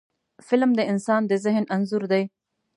فلم د انسان د ذهن انځور دی